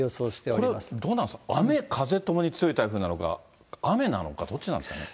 これ、どうなんですか、雨風ともに強い台風なのか、雨なのか、どっちなんですかね。